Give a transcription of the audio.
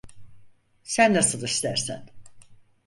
Sen nasıl istersen.